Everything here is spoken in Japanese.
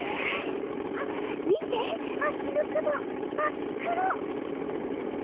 あみてあっちのくもまっくろ。